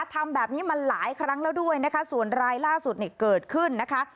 ทำแบบนี้มาหลายครั้งแล้วด้วยนะคะส่วนรายล่าสุดเนี่ยเกิดขึ้นนะคะ